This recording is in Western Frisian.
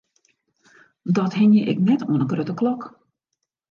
Dat hingje ik net oan 'e grutte klok.